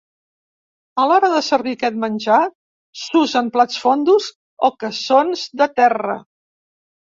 A l'hora de servir aquest menjar, s'usen plats fondos o cassons de terra.